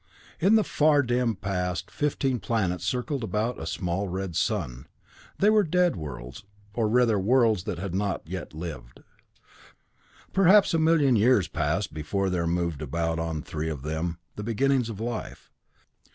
"In the far, dim past fifteen planets circled about a small, red sun. They were dead worlds or rather, worlds that had not yet lived. Perhaps a million years passed before there moved about on three of them the beginnings of life.